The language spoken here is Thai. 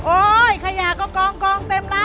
ขยะก็กองเต็มแล้ว